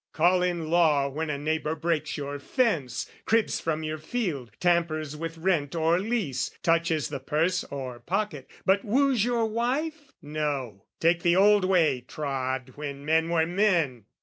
Call in law when a neighbour breaks your fence, Cribs from your field, tampers with rent or lease, Touches the purse or pocket, but wooes your wife? No: take the old way trod when men were men!